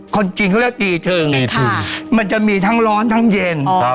คนจริงก็เรียกตีถึงค่ะมันจะมีทั้งร้อนทั้งเย็นอ๋อ